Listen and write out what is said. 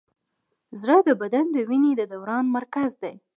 زړه د بدن د وینې د دوران مرکز دی.